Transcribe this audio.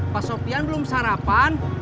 mas sofyan belum sarapan